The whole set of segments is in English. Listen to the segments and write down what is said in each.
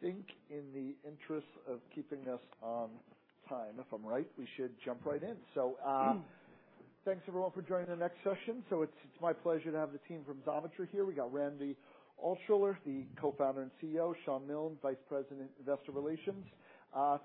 I think in the interest of keeping us on time, if I'm right, we should jump right in. So, thanks, everyone, for joining the next session. So it's my pleasure to have the team from Xometry here. We got Randy Altschuler, the Co-Founder and CEO, Shawn Milne, Vice President, Investor Relations.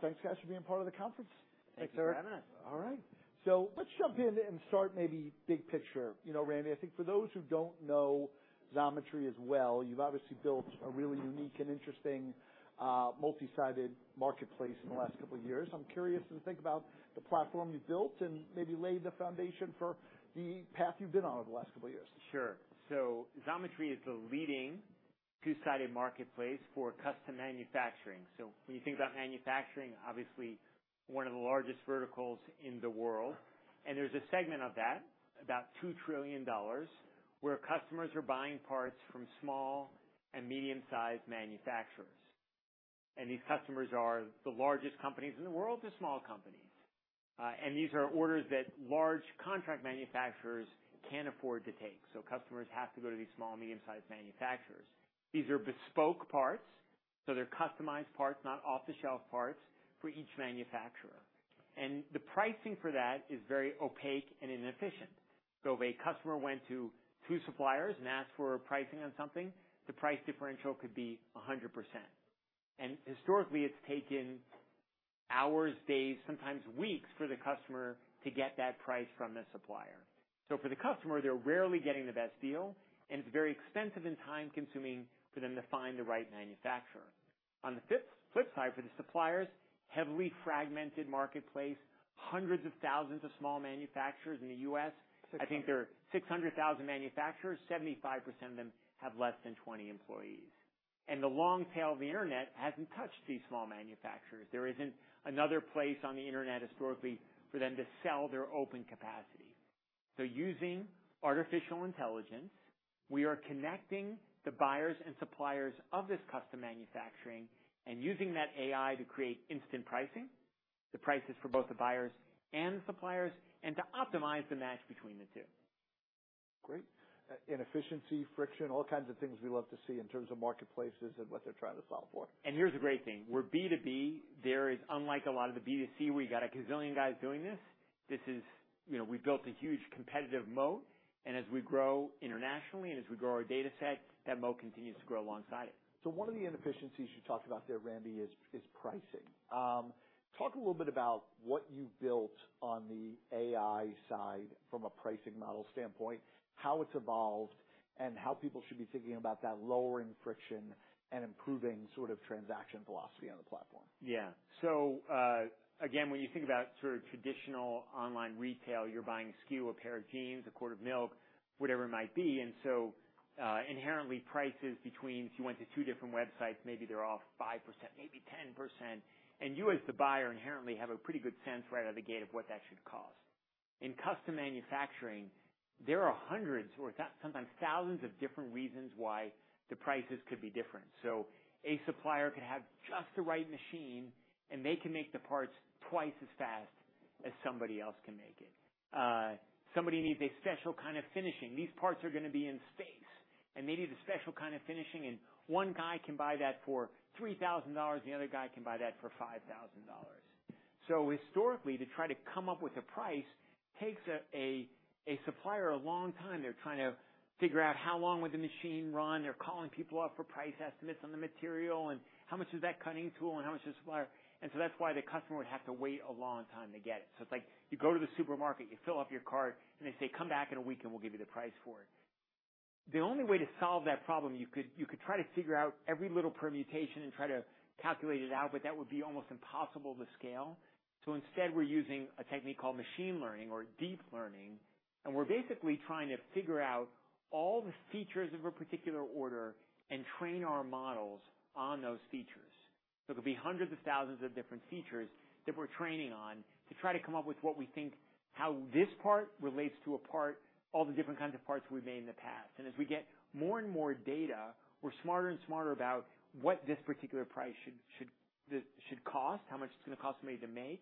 Thanks, guys, for being part of the conference. Thanks, Eric. Thanks for having us. All right, so let's jump in and start maybe big picture. You know, Randy, I think for those who don't know Xometry as well, you've obviously built a really unique and interesting multi-sided marketplace in the last couple of years. I'm curious to think about the platform you built and maybe lay the foundation for the path you've been on over the last couple of years. Sure. So Xometry is the leading two-sided marketplace for custom manufacturing. So when you think about manufacturing, obviously one of the largest verticals in the world, and there's a segment of that, about $2 trillion, where customers are buying parts from small and medium-sized manufacturers. And these customers are the largest companies in the world to small companies. And these are orders that large contract manufacturers can't afford to take, so customers have to go to these small and medium-sized manufacturers. These are bespoke parts, so they're customized parts, not off-the-shelf parts, for each manufacturer. And the pricing for that is very opaque and inefficient. So if a customer went to two suppliers and asked for pricing on something, the price differential could be 100%. And historically, it's taken hours, days, sometimes weeks, for the customer to get that price from the supplier. So for the customer, they're rarely getting the best deal, and it's very expensive and time-consuming for them to find the right manufacturer. On the flip side, for the suppliers, heavily fragmented marketplace, hundreds of thousands of small manufacturers in the U.S. 600. I think there are 600,000 manufacturers, 75% of them have less than 20 employees. The long tail of the internet hasn't touched these small manufacturers. There isn't another place on the internet, historically, for them to sell their open capacity. So using artificial intelligence, we are connecting the buyers and suppliers of this custom manufacturing and using that AI to create instant pricing, the prices for both the buyers and suppliers, and to optimize the match between the two. Great. Inefficiency, friction, all kinds of things we love to see in terms of marketplaces and what they're trying to solve for. Here's the great thing, we're B2B. There is unlike a lot of the B2C, we got a gazillion guys doing this. This is... You know, we've built a huge competitive moat, and as we grow internationally and as we grow our data set, that moat continues to grow alongside it. One of the inefficiencies you talked about there, Randy, is pricing. Talk a little bit about what you built on the AI side from a pricing model standpoint, how it's evolved, and how people should be thinking about that lowering friction and improving sort of transaction velocity on the platform. Yeah. So, again, when you think about sort of traditional online retail, you're buying a SKU, a pair of jeans, a quart of milk, whatever it might be. And so, inherently, prices between if you went to two different websites, maybe they're off 5%, maybe 10%, and you, as the buyer, inherently have a pretty good sense right out of the gate of what that should cost. In custom manufacturing, there are hundreds or sometimes thousands of different reasons why the prices could be different. So a supplier could have just the right machine, and they can make the parts twice as fast as somebody else can make it. Somebody needs a special kind of finishing. These parts are gonna be in space, and they need a special kind of finishing, and one guy can buy that for $3,000, the other guy can buy that for $5,000. So historically, to try to come up with a price takes a supplier a long time. They're trying to figure out how long would the machine run. They're calling people up for price estimates on the material, and how much is that cutting tool and how much does it supply? And so that's why the customer would have to wait a long time to get it. So it's like you go to the supermarket, you fill up your cart, and they say, "Come back in a week, and we'll give you the price for it." The only way to solve that problem, you could, you could try to figure out every little permutation and try to calculate it out, but that would be almost impossible to scale. So instead, we're using a technique called machine learning or deep learning, and we're basically trying to figure out all the features of a particular order and train our models on those features. So there'll be hundreds of thousands of different features that we're training on to try to come up with what we think, how this part relates to a part, all the different kinds of parts we've made in the past. As we get more and more data, we're smarter and smarter about what this particular price should cost, how much it's gonna cost somebody to make,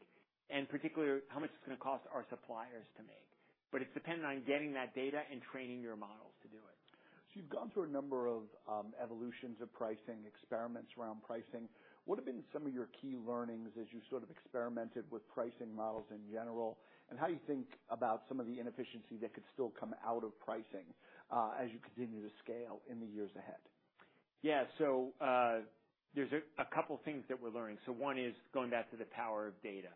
and particularly, how much it's gonna cost our suppliers to make. But it's dependent on getting that data and training your models to do it. So you've gone through a number of, evolutions of pricing, experiments around pricing. What have been some of your key learnings as you sort of experimented with pricing models in general, and how you think about some of the inefficiency that could still come out of pricing, as you continue to scale in the years ahead? Yeah. So, there's a couple things that we're learning. So one is going back to the power of data.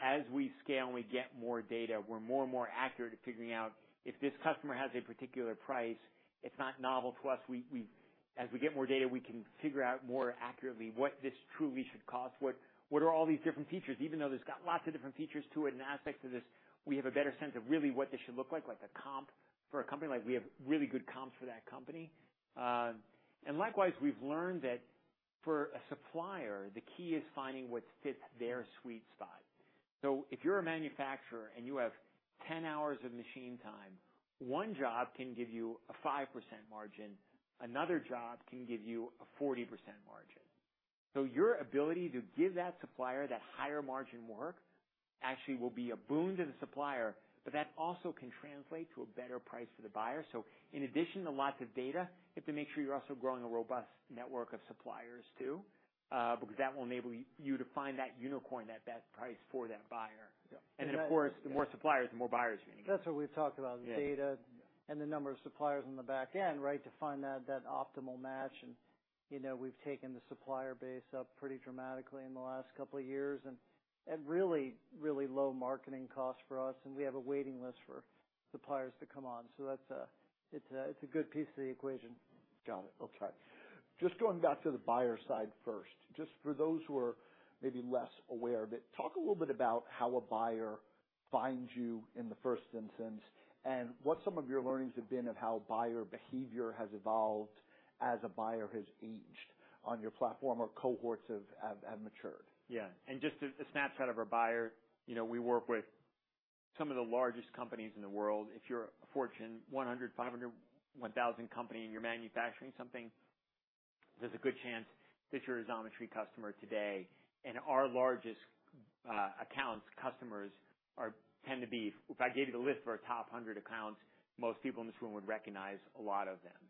As we scale and we get more data, we're more and more accurate at figuring out if this customer has a particular price, it's not novel to us. As we get more data, we can figure out more accurately what this truly should cost, what are all these different features? Even though it's got lots of different features to it and aspects to this, we have a better sense of really what this should look like, like a comp for a company, like we have really good comps for that company. And likewise, we've learned that for a supplier, the key is finding what fits their sweet spot. So if you're a manufacturer and you have 10 hours of machine time, one job can give you a 5% margin, another job can give you a 40% margin. So your ability to give that supplier that higher margin work actually will be a boon to the supplier, but that also can translate to a better price for the buyer. So in addition to lots of data, you have to make sure you're also growing a robust network of suppliers, too, because that will enable you to find that unicorn, that best price for that buyer. Yeah. Of course, the more suppliers, the more buyers you're going to get. That's what we've talked about. Yeah. The data and the number of suppliers on the back end, right? To find that optimal match. You know, we've taken the supplier base up pretty dramatically in the last couple of years, and at really, really low marketing costs for us, and we have a waiting list for suppliers to come on. So that's a good piece of the equation. Got it. Okay. Just going back to the buyer side first, just for those who are maybe less aware of it, talk a little bit about how a buyer finds you in the first instance, and what some of your learnings have been of how buyer behavior has evolved as a buyer has aged on your platform or cohorts have matured? Yeah. And just a snapshot of our buyer. You know, we work with some of the largest companies in the world. If you're a Fortune 100, 500, 1000 company, and you're manufacturing something, there's a good chance that you're a Xometry customer today. And our largest accounts, customers tend to be... If I gave you the list for our top 100 accounts, most people in this room would recognize a lot of them.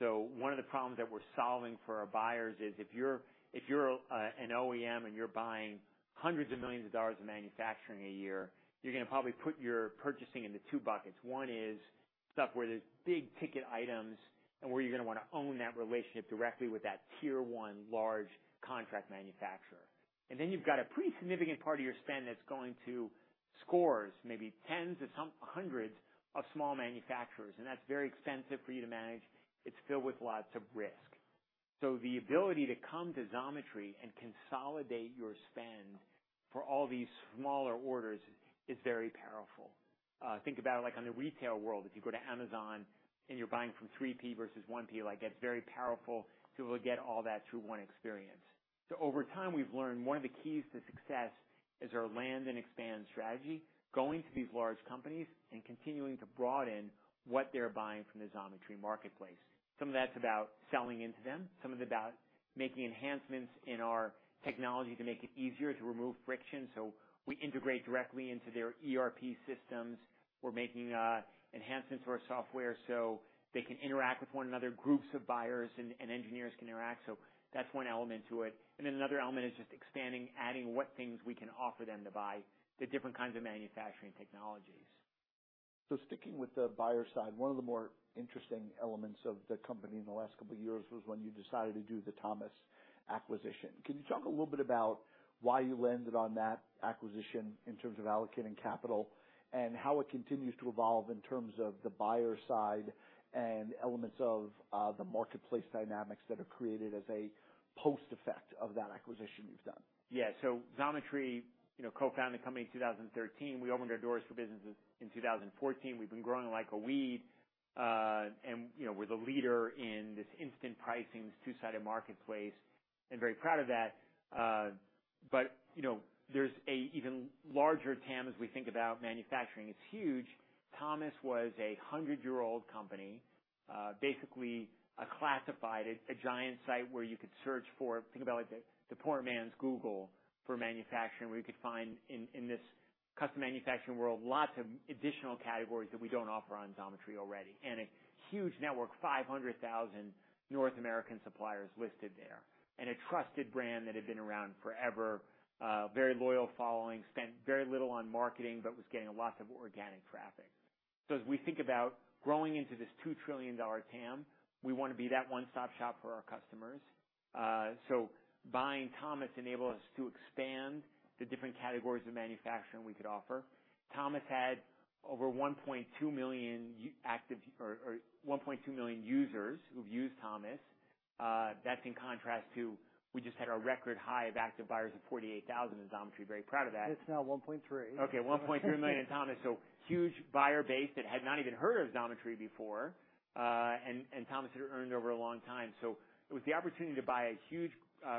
So one of the problems that we're solving for our buyers is, if you're an OEM and you're buying $hundreds of millions of manufacturing a year, you're going to probably put your purchasing into two buckets. One is stuff where there's big ticket items and where you're going to want to own that relationship directly with that Tier One large contract manufacturer. Then you've got a pretty significant part of your spend that's going to scores, maybe tens to some hundreds of small manufacturers, and that's very expensive for you to manage. It's filled with lots of risk. So the ability to come to Xometry and consolidate your spend for all these smaller orders is very powerful. Think about it, like in the retail world, if you go to Amazon and you're buying from 3P versus 1P, like, that's very powerful to get all that through one experience. So over time, we've learned one of the keys to success is our Land and Expand strategy, going to these large companies and continuing to broaden what they're buying from the Xometry marketplace. Some of that's about selling into them, some of it's about making enhancements in our technology to make it easier to remove friction, so we integrate directly into their ERP systems. We're making enhancements to our software so they can interact with one another, groups of buyers and engineers can interact. So that's one element to it. Then another element is just expanding, adding what things we can offer them to buy, the different kinds of manufacturing technologies. So sticking with the buyer side, one of the more interesting elements of the company in the last couple of years was when you decided to do the Thomas acquisition. Can you talk a little bit about why you landed on that acquisition in terms of allocating capital, and how it continues to evolve in terms of the buyer side and elements of, the marketplace dynamics that are created as a post effect of that acquisition you've done? Yeah. So Xometry, you know, co-founded the company in 2013. We opened our doors for businesses in 2014. We've been growing like a weed, and, you know, we're the leader in this instant pricing, this two-sided marketplace, and very proud of that. But, you know, there's an even larger TAM as we think about manufacturing. It's huge. Thomas was a 100-year-old company, basically a classified, a giant site where you could search for - think about it like the, the poor man's Google for manufacturing, where you could find in, in this custom manufacturing world, lots of additional categories that we don't offer on Xometry already. And a huge network, 500,000 North American suppliers listed there. A trusted brand that had been around forever, very loyal following, spent very little on marketing, but was getting lots of organic traffic. As we think about growing into this $2 trillion TAM, we want to be that one-stop shop for our customers. Buying Thomas enabled us to expand the different categories of manufacturing we could offer. Thomas had over 1.2 million active, or 1.2 million users who've used Thomas. That's in contrast to, we just had our record high of active buyers of 48,000 in Xometry. Very proud of that. It's now 1.3. Okay, 1.3 million in Thomas. So huge buyer base that had not even heard of Xometry before, and Thomas had earned over a long time. So it was the opportunity to buy a huge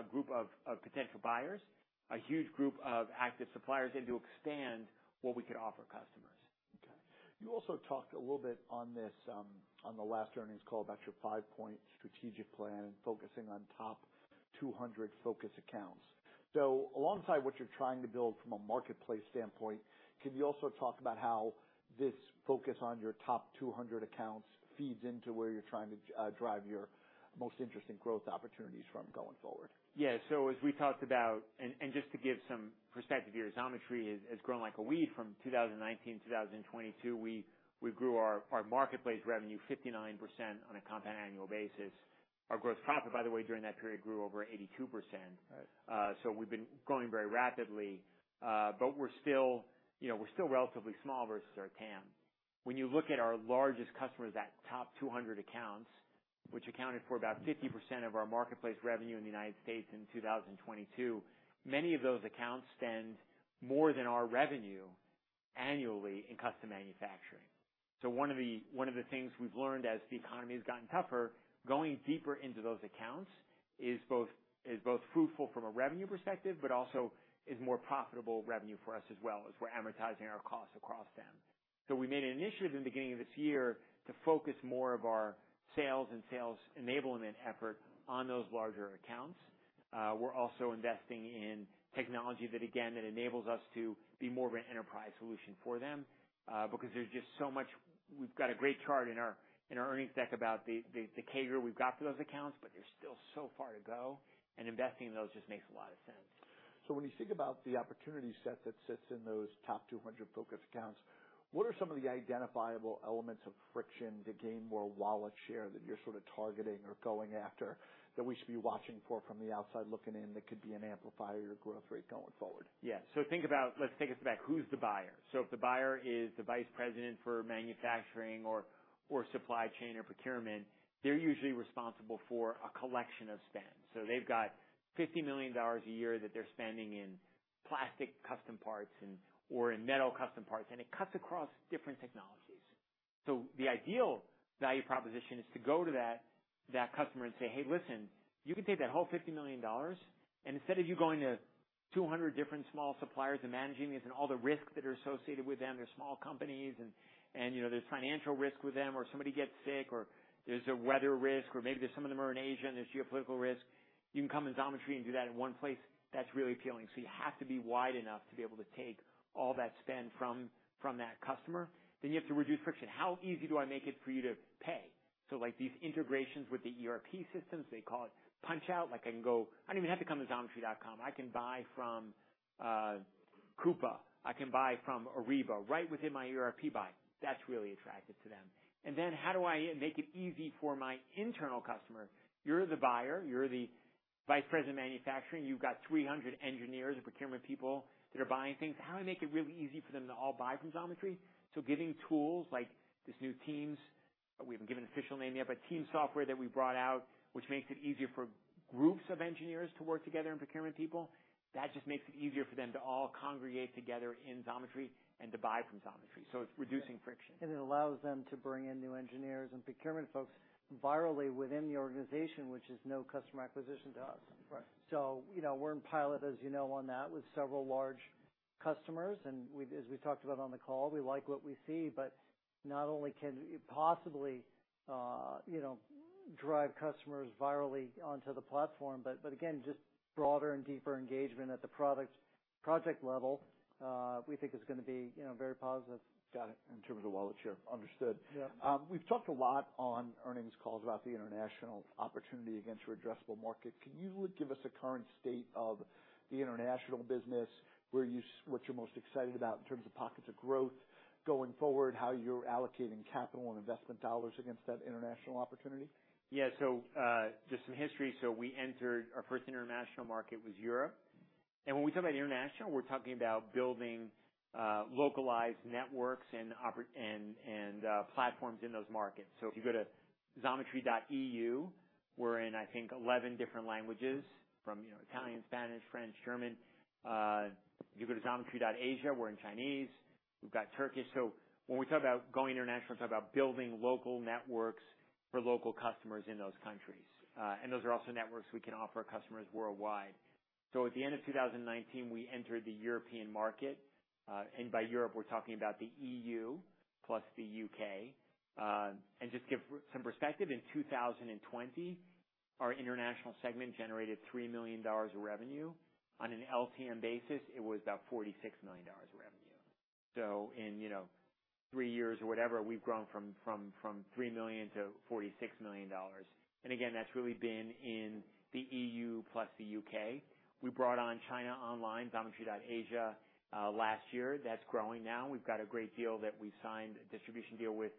group of potential buyers, a huge group of active suppliers, and to expand what we could offer customers. Okay. You also talked a little bit on this, on the last earnings call about your five-point strategic plan and focusing on top 200 focus accounts. So alongside what you're trying to build from a marketplace standpoint, can you also talk about how this focus on your top 200 accounts feeds into where you're trying to, drive your most interesting growth opportunities from going forward? Yeah. So as we talked about... and just to give some perspective here, Xometry has grown like a weed from 2019 to 2022. We grew our marketplace revenue 59% on a compound annual basis. Our gross profit, by the way, during that period, grew over 82%. Right. So we've been growing very rapidly, but we're still, you know, we're still relatively small versus our TAM. When you look at our largest customers, that top 200 accounts, which accounted for about 50% of our marketplace revenue in the United States in 2022, many of those accounts spend more than our revenue annually in custom manufacturing. So one of the things we've learned as the economy has gotten tougher, going deeper into those accounts is both fruitful from a revenue perspective, but also is more profitable revenue for us as well, as we're amortizing our costs across them. So we made an initiative in the beginning of this year to focus more of our sales and sales enablement effort on those larger accounts. We're also investing in technology that, again, that enables us to be more of an enterprise solution for them, because there's just so much. We've got a great chart in our earnings deck about the CAGR we've got for those accounts, but there's still so far to go, and investing in those just makes a lot of sense. When you think about the opportunity set that sits in those top 200 focused accounts, what are some of the identifiable elements of friction to gain more wallet share that you're sort of targeting or going after, that we should be watching for from the outside looking in, that could be an amplifier to your growth rate going forward? Yeah. So think about... Let's take a step back. Who's the buyer? So if the buyer is the vice president for manufacturing or, or supply chain, or procurement, they're usually responsible for a collection of spend. So they've got $50 million a year that they're spending in plastic custom parts and, or in metal custom parts, and it cuts across different technologies. So the ideal value proposition is to go to that, that customer and say, "Hey, listen, you can take that whole $50 million, and instead of you going to 200 different small suppliers and managing these and all the risks that are associated with them, they're small companies, and, and, you know, there's financial risk with them, or somebody gets sick, or there's a weather risk, or maybe some of them are in Asia, and there's geopolitical risk. You can come to Xometry and do that in one place," that's really appealing. So you have to be wide enough to be able to take all that spend from that customer. Then you have to reduce friction. How easy do I make it for you to pay? So like, these integrations with the ERP systems, they call it PunchOut. Like, I can go. I don't even have to come to Xometry.com. I can buy from Coupa, I can buy from Ariba right within my ERP buy. That's really attractive to them. And then, how do I make it easy for my internal customer? You're the buyer, you're the vice president of manufacturing. You've got 300 engineers and procurement people that are buying things. How do I make it really easy for them to all buy from Xometry? So giving tools like this new Teamspace, we haven't given an official name yet, but team software that we brought out, which makes it easier for groups of engineers to work together and procurement people, that just makes it easier for them to all congregate together in Xometry and to buy from Xometry, so it's reducing friction. It allows them to bring in new engineers and procurement folks virally within the organization, which is no customer acquisition to us. Right. So, you know, we're in pilot, as you know, on that, with several large customers, and we've, as we talked about on the call, we like what we see, but not only can it possibly, you know, drive customers virally onto the platform, but, but again, just broader and deeper engagement at the product, project level, we think is gonna be, you know, very positive. Got it. In terms of the wallet share. Understood. Yeah. We've talked a lot on earnings calls about the international opportunity against your addressable market. Can you give us a current state of the international business, where, what you're most excited about in terms of pockets of growth going forward, how you're allocating capital and investment dollars against that international opportunity? Yeah. So, just some history. So we entered. Our first international market was Europe. And when we talk about international, we're talking about building localized networks and platforms in those markets. So if you go to Xometry.eu, we're in, I think, 11 different languages, from, you know, Italian, Spanish, French, German. If you go to Xometry.Asia, we're in Chinese, we've got Turkish. So when we talk about going international, we talk about building local networks for local customers in those countries. And those are also networks we can offer our customers worldwide. So at the end of 2019, we entered the European market, and by Europe, we're talking about the EU plus the U.K. And just give some perspective, in 2020, our international segment generated $3 million of revenue. On an LTM basis, it was about $46 million of revenue. So in, you know, three years or whatever, we've grown from $3 million to $46 million. And again, that's really been in the EU plus the U.K. We brought on China online, Xometry.Asia, last year. That's growing now. We've got a great deal that we signed, a distribution deal with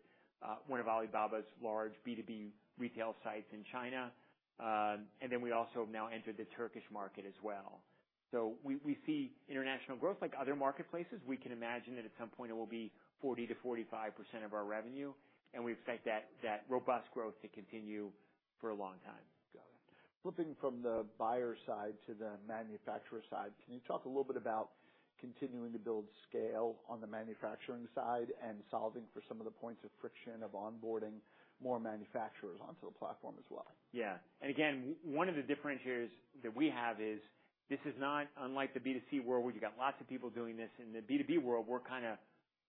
one of Alibaba's large B2B retail sites in China. And then we also have now entered the Turkish market as well. So we see international growth like other marketplaces. We can imagine that at some point it will be 40%-45% of our revenue, and we expect that robust growth to continue for a long time. Got it. Flipping from the buyer side to the manufacturer side, can you talk a little bit about continuing to build scale on the manufacturing side and solving for some of the points of friction of onboarding more manufacturers onto the platform as well? Yeah. And again, one of the differentiators that we have is this is not unlike the B2C world, where you've got lots of people doing this. In the B2B world, we're kind of,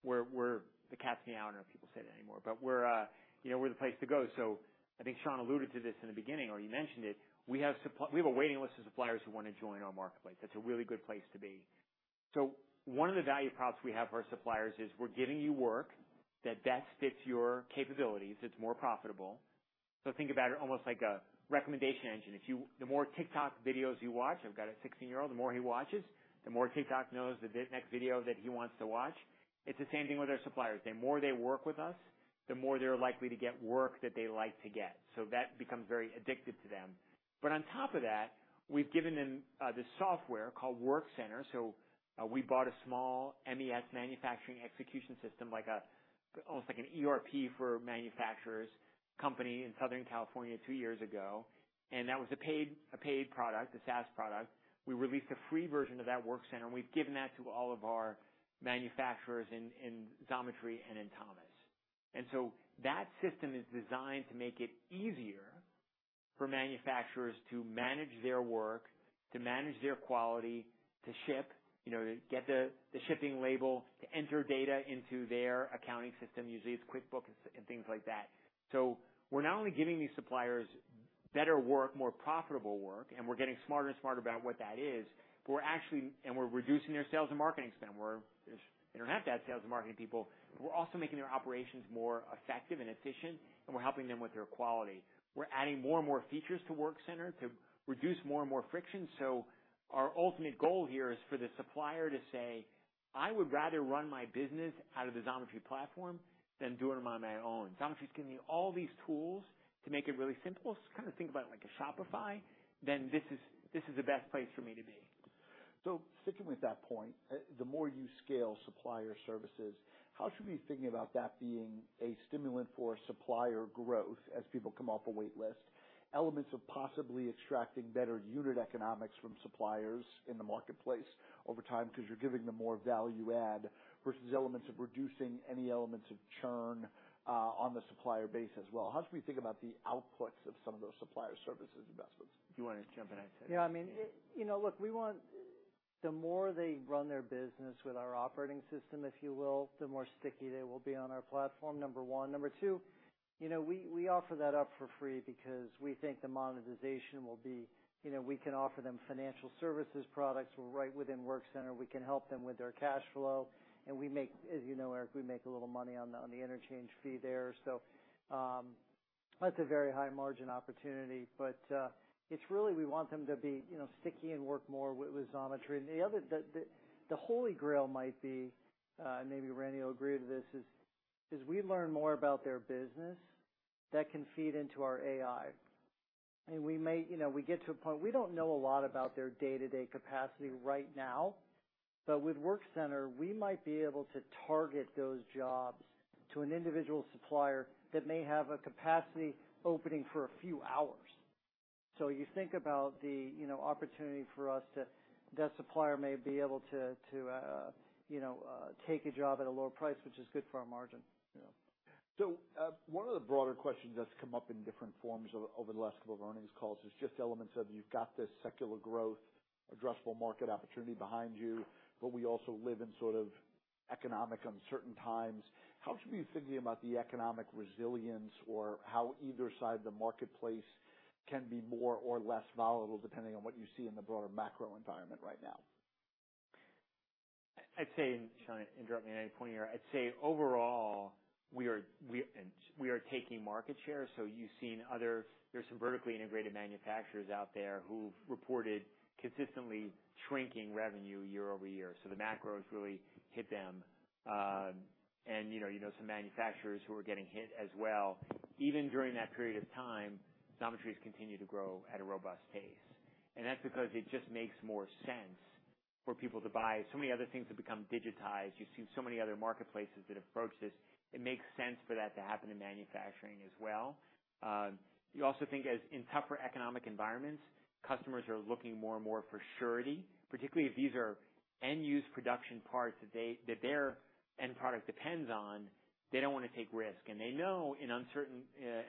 we're the cat's meow. I don't know if people say it anymore, but we're, you know, we're the place to go. So I think Shawn alluded to this in the beginning, or he mentioned it, we have a waiting list of suppliers who want to join our marketplace. That's a really good place to be. So one of the value props we have for our suppliers is we're giving you work that best fits your capabilities, it's more profitable. So think about it almost like a recommendation engine. If you, the more TikTok videos you watch, I've got a 16-year-old, the more he watches, the more TikTok knows, the next video that he wants to watch. It's the same thing with our suppliers. The more they work with us, the more they're likely to get work that they like to get. So that becomes very addictive to them. But on top of that, we've given them this software called WorkCenter. So we bought a small MES, manufacturing execution system, like a, almost like an ERP for manufacturers, company in Southern California two years ago, and that was a paid, a paid product, a SaaS product. We released a free version of that WorkCenter, and we've given that to all of our manufacturers in Xometry and in...... And so that system is designed to make it easier for manufacturers to manage their work, to manage their quality, to ship, you know, to get the, the shipping label, to enter data into their accounting system, usually it's QuickBooks and things like that. So we're not only giving these suppliers better work, more profitable work, and we're getting smarter and smarter about what that is, but we're actually, and we're reducing their sales and marketing spend, where they don't have to have sales and marketing people. We're also making their operations more effective and efficient, and we're helping them with their quality. We're adding more and more features to WorkCenter to reduce more and more friction. So our ultimate goal here is for the supplier to say, "I would rather run my business out of the Xometry platform than do it on my own. Xometry's giving me all these tools to make it really simple. So kind of think about it like a Shopify, then this is, this is the best place for me to be. So sticking with that point, the more you scale supplier services, how should we be thinking about that being a stimulant for supplier growth as people come off a wait list, elements of possibly extracting better unit economics from suppliers in the marketplace over time, because you're giving them more value add, versus elements of reducing any elements of churn, on the supplier base as well? How should we think about the outputs of some of those supplier services investments? Do you want to just jump in? I'll say. Yeah, I mean, you know, look, we want. The more they run their business with our operating system, if you will, the more sticky they will be on our platform, number one. Number two, you know, we, we offer that up for free because we think the monetization will be, you know, we can offer them financial services products right within WorkCenter. We can help them with their cash flow, and we make, as you know, Eric, we make a little money on the, on the interchange fee there. So, that's a very high margin opportunity, but it's really we want them to be, you know, sticky and work more with, with Xometry. And the other, the holy grail might be, maybe Randy will agree to this, is, as we learn more about their business, that can feed into our AI. We may, you know, we get to a point, we don't know a lot about their day-to-day capacity right now, but with WorkCenter, we might be able to target those jobs to an individual supplier that may have a capacity opening for a few hours. So you think about the, you know, opportunity for us to. That supplier may be able to, to, you know, take a job at a lower price, which is good for our margin. Yeah. So, one of the broader questions that's come up in different forms over the last couple of earnings calls is just elements of you've got this secular growth, addressable market opportunity behind you, but we also live in sort of economic uncertain times. How should we be thinking about the economic resilience or how either side of the marketplace can be more or less volatile, depending on what you see in the broader macro environment right now? I'd say, Shawn, interrupt me at any point here. I'd say, overall, we are taking market share, so you've seen other— There's some vertically integrated manufacturers out there who've reported consistently shrinking revenue year-over-year. So the macros really hit them, and you know, you know some manufacturers who are getting hit as well. Even during that period of time, Xometry's continued to grow at a robust pace, and that's because it just makes more sense for people to buy. So many other things have become digitized. You've seen so many other marketplaces that approach this. It makes sense for that to happen in manufacturing as well. You also think as in tougher economic environments, customers are looking more and more for surety, particularly if these are end-use production parts that they, that their end product depends on. They don't want to take risk, and they know in uncertain,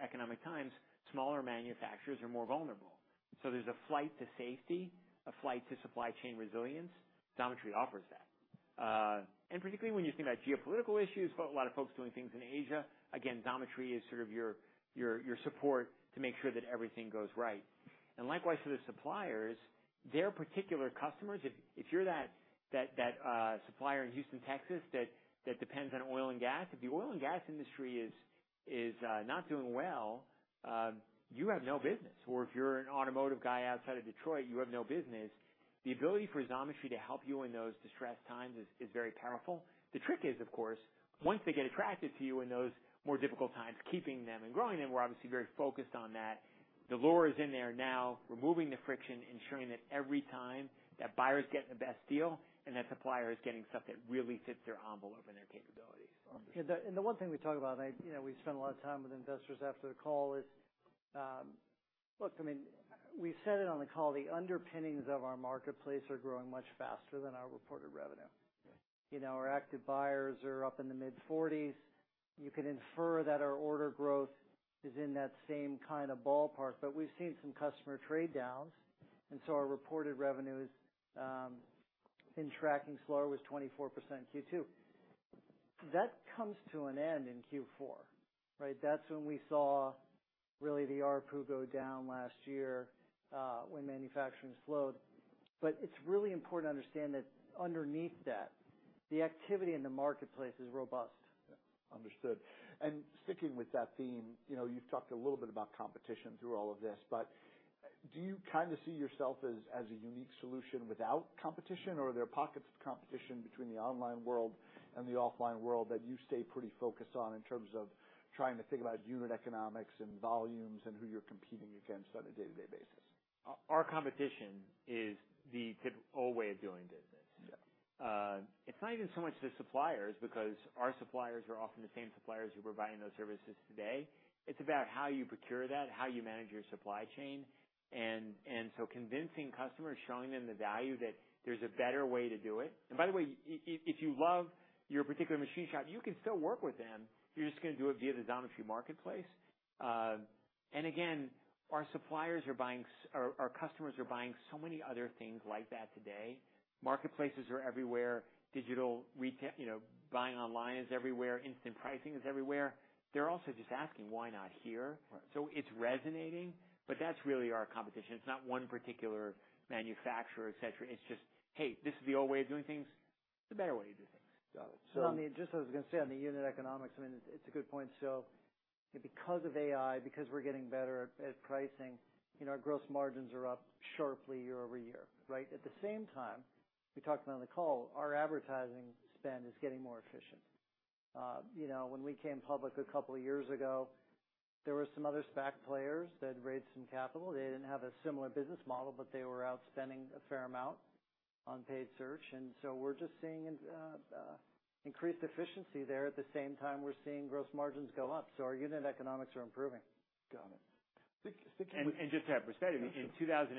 economic times, smaller manufacturers are more vulnerable. So there's a flight to safety, a flight to supply chain resilience. Xometry offers that. And particularly when you think about geopolitical issues, a lot of folks doing things in Asia, again, Xometry is sort of your support to make sure that everything goes right. And likewise, for the suppliers, their particular customers, if you're that supplier in Houston, Texas, that depends on oil and gas, if the oil and gas industry is not doing well, you have no business. Or if you're an automotive guy outside of Detroit, you have no business. The ability for Xometry to help you in those distressed times is very powerful. The trick is, of course, once they get attracted to you in those more difficult times, keeping them and growing them, we're obviously very focused on that. The lure is in there now, removing the friction, ensuring that every time, that buyer is getting the best deal and that supplier is getting stuff that really fits their envelope and their capabilities. The one thing we talk about, you know, we spend a lot of time with investors after the call is, look, I mean, we said it on the call, the underpinnings of our marketplace are growing much faster than our reported revenue. Yeah. You know, our active buyers are up in the mid-40s. You can infer that our order growth is in that same kind of ballpark, but we've seen some customer trade downs, and so our reported revenues in tracking slower was 24% in Q2. That comes to an end in Q4, right? That's when we saw really the ARPU go down last year, when manufacturing slowed. But it's really important to understand that underneath that, the activity in the marketplace is robust. Yeah, understood. Sticking with that theme, you know, you've talked a little bit about competition through all of this, but do you kind of see yourself as, as a unique solution without competition, or are there pockets of competition between the online world and the offline world that you stay pretty focused on in terms of trying to think about unit economics and volumes and who you're competing against on a day-to-day basis? Our competition is the old way of doing business. Yeah. It's not even so much the suppliers, because our suppliers are often the same suppliers who were buying those services today. It's about how you procure that, how you manage your supply chain, and so convincing customers, showing them the value, that there's a better way to do it. And by the way, if you love your particular machine shop, you can still work with them. You're just going to do it via the Xometry marketplace. And again, our customers are buying so many other things like that today. Marketplaces are everywhere. Digital retail, you know, buying online is everywhere. Instant pricing is everywhere. They're also just asking, why not here? Right. It's resonating, but that's really our competition. It's not one particular manufacturer, et cetera. It's just, "Hey, this is the old way of doing things. There's a better way to do things. Got it. So, I mean, just as I was going to say on the unit economics, I mean, it's a good point. So because of AI, because we're getting better at, at pricing, you know, our gross margins are up sharply year-over-year, right? At the same time, we talked about on the call, our advertising spend is getting more efficient. You know, when we came public a couple of years ago, there were some other SPAC players that raised some capital. They didn't have a similar business model, but they were out spending a fair amount on paid search, and so we're just seeing increased efficiency there. At the same time, we're seeing gross margins go up, so our unit economics are improving. Got it. Just to have perspective, in 2019,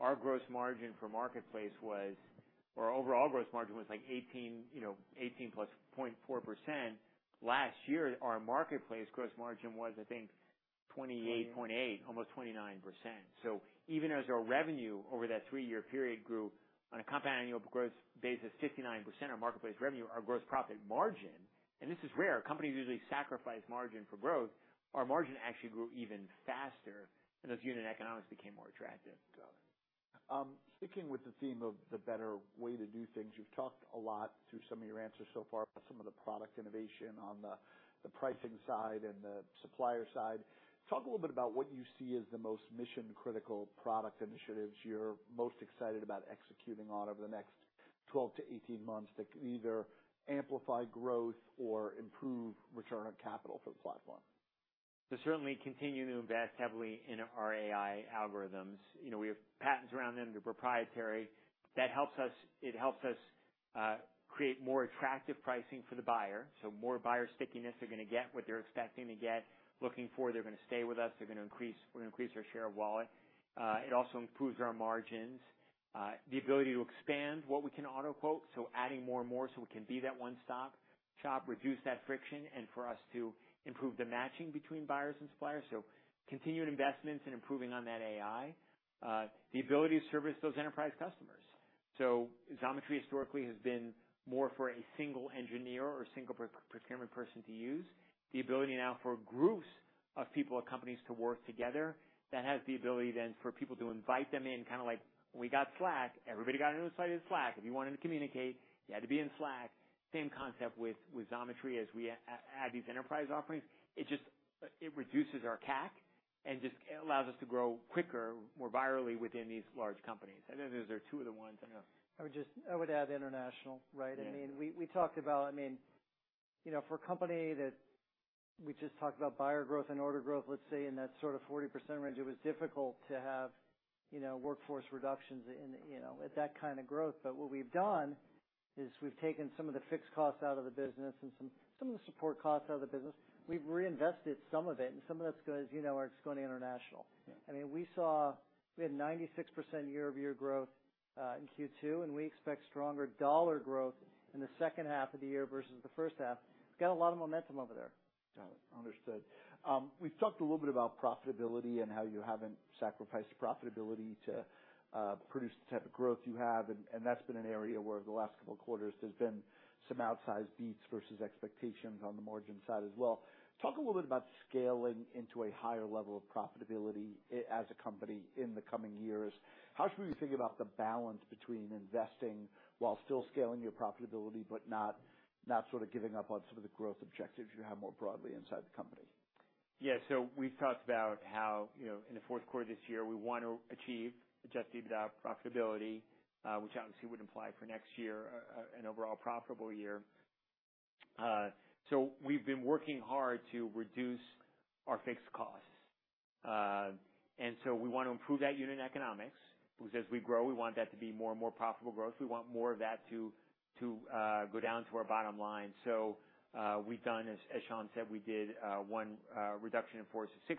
our gross margin for marketplace was, or overall gross margin was like 18, you know, 18.4%. Last year, our marketplace gross margin was, I think, 28.8, almost 29%. So even as our revenue over that three-year period grew on a compound annual growth basis, 59% on marketplace revenue, our gross profit margin, and this is rare, companies usually sacrifice margin for growth, our margin actually grew even faster, and those unit economics became more attractive. Got it. Sticking with the theme of the better way to do things, you've talked a lot through some of your answers so far, about some of the product innovation on the pricing side and the supplier side. Talk a little bit about what you see as the most mission-critical product initiatives you're most excited about executing on over the next 12-18 months, that can either amplify growth or improve return on capital for the platform? So certainly continue to invest heavily in our AI algorithms. You know, we have patents around them. They're proprietary. That helps us, it helps us, create more attractive pricing for the buyer, so more buyer stickiness. They're going to get what they're expecting to get, looking for. They're going to stay with us. They're going to increase- we're going to increase our share of wallet. It also improves our margins, the ability to expand what we can auto quote, so adding more and more so we can be that one-stop shop, reduce that friction, and for us to improve the matching between buyers and suppliers, so continued investments in improving on that AI. The ability to service those enterprise customers. So Xometry historically has been more for a single engineer or single procurement person to use. The ability now for groups of people or companies to work together, that has the ability then for people to invite them in, kind of like when we got Slack, everybody got invited to Slack. If you wanted to communicate, you had to be in Slack. Same concept with Xometry. As we add these enterprise offerings, it just, it reduces our CAC and just, it allows us to grow quicker, more virally within these large companies. And those are two of the ones I know. I would add international, right? Yeah. I mean, we talked about... I mean, you know, for a company that we just talked about buyer growth and order growth, let's say, in that sort of 40% range, it was difficult to have, you know, workforce reductions in, you know, at that kind of growth. But what we've done is we've taken some of the fixed costs out of the business and some of the support costs out of the business. We've reinvested some of it, and some of that's going, as you know, are just going international. Yeah. I mean, we saw we had 96% year-over-year growth in Q2, and we expect stronger dollar growth in the second half of the year versus the first half. Got a lot of momentum over there. Got it. Understood. We've talked a little bit about profitability and how you haven't sacrificed profitability to produce the type of growth you have, and, and that's been an area where the last couple of quarters there's been some outsized beats versus expectations on the margin side as well. Talk a little bit about scaling into a higher level of profitability as a company in the coming years. How should we think about the balance between investing while still scaling your profitability, but not, not sort of giving up on some of the growth objectives you have more broadly inside the company? Yeah. So we've talked about how, you know, in the Q4 this year, we want to achieve adjusted EBITDA profitability, which obviously would imply for next year, an overall profitable year. So we've been working hard to reduce our fixed costs. And so we want to improve that unit economics, because as we grow, we want that to be more and more profitable growth. We want more of that to go down to our bottom line. So, we've done as Shawn said, we did 1 reduction in force of 6%.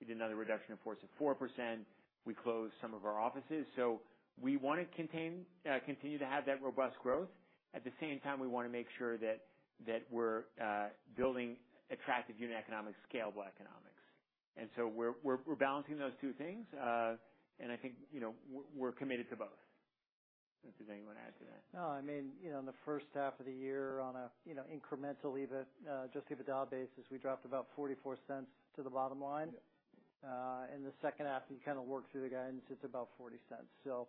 We did another reduction in force of 4%. We closed some of our offices, so we want to continue to have that robust growth. At the same time, we want to make sure that we're building attractive unit economics, scalable economics. We're balancing those two things. I think, you know, we're committed to both. Unless does anyone add to that? No, I mean, you know, in the first half of the year, on a, you know, incremental EBITDA, adjusted EBITDA basis, we dropped about $0.44 to the bottom line. Yeah. In the second half, you kind of work through the guidance, it's about $0.40. So,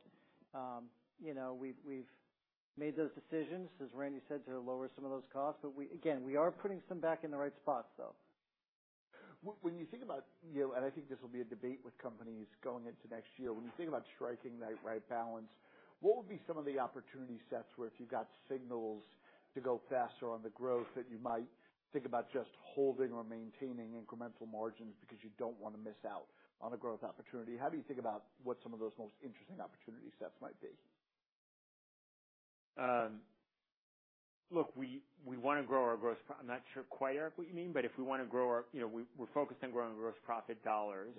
you know, we've made those decisions, as Randy said, to lower some of those costs, but we... Again, we are putting some back in the right spots, though. When you think about, you know, and I think this will be a debate with companies going into next year, when you think about striking that right balance, what would be some of the opportunity sets where if you've got signals to go faster on the growth, that you might think about just holding or maintaining incremental margins because you don't want to miss out on a growth opportunity? How do you think about what some of those most interesting opportunity sets might be? Look, we want to grow our gross pro- I'm not sure quite what you mean, but if we want to grow our, you know, we're focused on growing gross profit dollars.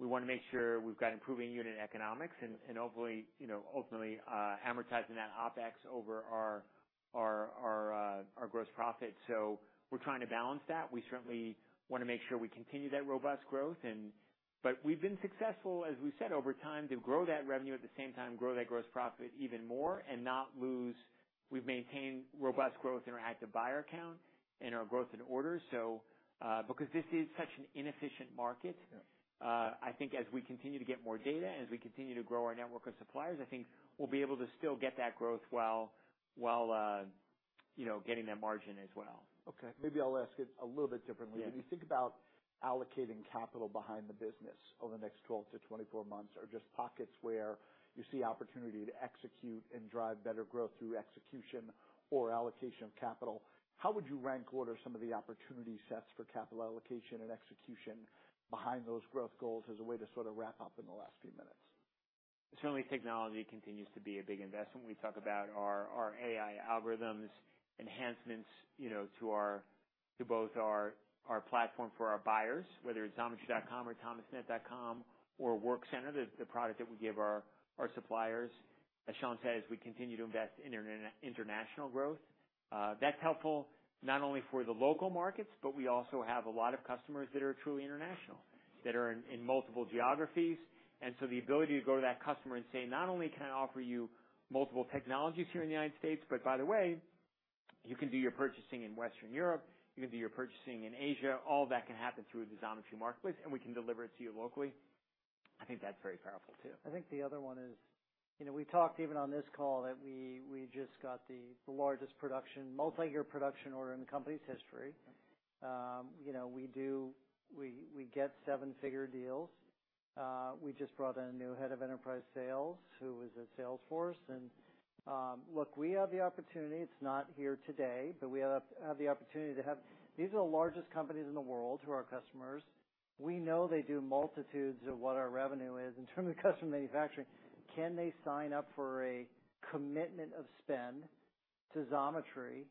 We want to make sure we've got improving unit economics and, hopefully, you know, ultimately, amortizing that OpEx over our gross profit. So we're trying to balance that. We certainly want to make sure we continue that robust growth and but we've been successful, as we said, over time, to grow that revenue, at the same time, grow that gross profit even more and not lose. We've maintained robust growth in our active buyer count and our growth in orders. Because this is such an inefficient market, I think as we continue to get more data, as we continue to grow our network of suppliers, I think we'll be able to still get that growth while you know, getting that margin as well. Okay. Maybe I'll ask it a little bit differently. Yeah. When you think about allocating capital behind the business over the next 12-24 months, or just pockets where you see opportunity to execute and drive better growth through execution or allocation of capital, how would you rank order some of the opportunity sets for capital allocation and execution behind those growth goals as a way to sort of wrap up in the last few minutes? Certainly, technology continues to be a big investment. We talk about our, our AI algorithms, enhancements, you know, to both our, our platform for our buyers, whether it's Xometry.com or Thomasnet.com or WorkCenter, the, the product that we give our, our suppliers. As Shawn says, we continue to invest in international growth. That's helpful not only for the local markets, but we also have a lot of customers that are truly international, that are in, in multiple geographies. And so the ability to go to that customer and say, "Not only can I offer you multiple technologies here in the United States, but by the way, you can do your purchasing in Western Europe, you can do your purchasing in Asia. All that can happen through the Xometry marketplace, and we can deliver it to you locally," I think that's very powerful, too. I think the other one is, you know, we talked even on this call, that we just got the largest production, multi-year production order in the company's history. You know, we get seven-figure deals. We just brought in a new head of enterprise sales who was at Salesforce. And look, we have the opportunity. It's not here today, but we have the opportunity to have... These are the largest companies in the world who are our customers. We know they do multitudes of what our revenue is in terms of customer manufacturing. Can they sign up for a commitment of spend to Xometry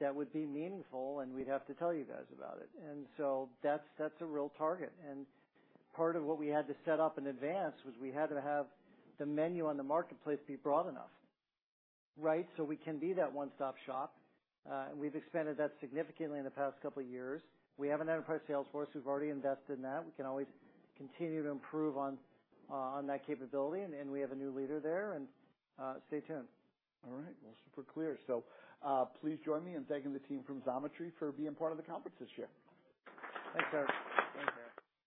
that would be meaningful, and we'd have to tell you guys about it. And so that's a real target. Part of what we had to set up in advance was we had to have the menu on the marketplace be broad enough, right? So we can be that one-stop shop, and we've expanded that significantly in the past couple of years. We have an enterprise sales force. We've already invested in that. We can always continue to improve on that capability, and we have a new leader there, and stay tuned. All right. Well, super clear. Please join me in thanking the team from Xometry for being part of the conference this year. Thanks, Eric. Thank you.